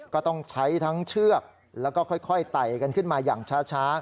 ก็ต้องใช้ทั้งเชือกแล้วก็ค่อยไต่กันขึ้นมาอย่างช้า